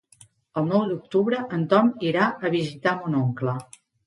El nou d'octubre en Tom irà a visitar mon oncle.